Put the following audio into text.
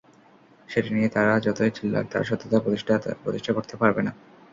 সেটি নিয়ে তারা যতই চিল্লাক তার সত্যতা প্রতিষ্ঠা করতে পারবে না।